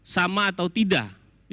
sama atau tidak